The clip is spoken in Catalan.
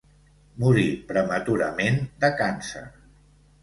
Morí prematurament de càncer.